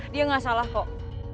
dia gak salah kok